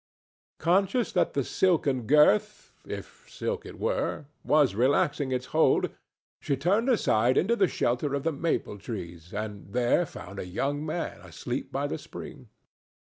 Conscious that the silken girth—if silk it were—was relaxing its hold, she turned aside into the shelter of the maple trees, and there found a young man asleep by the spring.